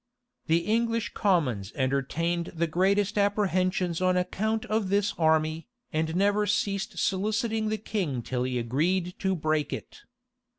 The English commons entertained the greatest apprehensions on account of this army, and never ceased soliciting the king till he agreed to break it.